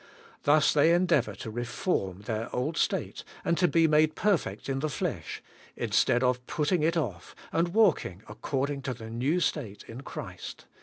Thus they endeavour to reform their old state, and to be made perfect in the flesh, instead of putting it ofE and walking according to the new state in Christ.